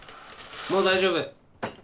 もう大丈夫。